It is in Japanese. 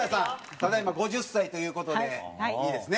ただ今５０歳という事でいいですね？